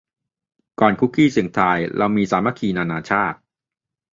ก่อน คุกกี้เสี่ยงทาย เรามี สามัคคีนานาชาติ